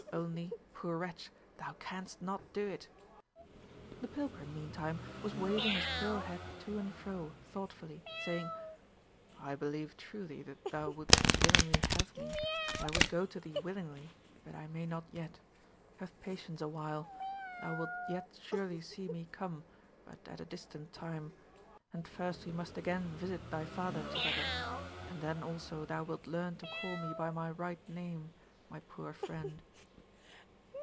Only, poor wretch, thou canst not do it." The pilgrim meantime was waving his pale head to and fro thoughtfully, saying, "I believe truly that thou wouldst willingly have me, and I would go to thee willingly, but I may not yet. Have patience awhile; thou wilt yet surely see me come, but at a distant time; and first we must again visit thy father together, and then also thou wilt learn to call me by my right name, my poor friend."